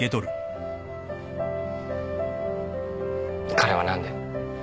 彼は何で？